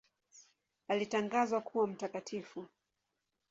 Alitangazwa kuwa mtakatifu.